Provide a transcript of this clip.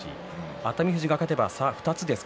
熱海富士が勝てば差が２つです。